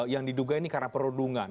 yang diduga ini karena perundungan